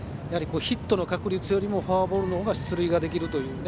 ヒットの確率よりもフォアボールの方が出塁ができるという。